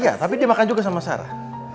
iya tapi dia makan juga sama sarah